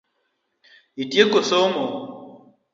Itieko somo?